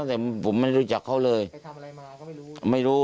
แต่ผมไม่รู้จักเขาเลยไปทำอะไรมาก็ไม่รู้ไม่รู้